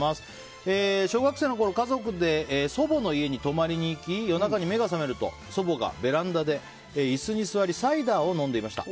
小学生のころ家族で祖母の家に泊まりに行き夜中に目が覚めると祖母がベランダで椅子に座りサイダーを飲んでいました。